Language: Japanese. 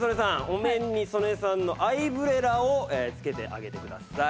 お面に曽根さんのアイブレラをつけてあげてください。